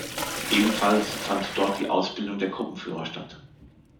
Ebenfalls fand dort die Ausbildung der Gruppenführer statt.